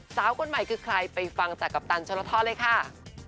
เจ้ากลุ่มใหม่คือใครไปฟังจากกัปตันชะละทอเล่ค่ะ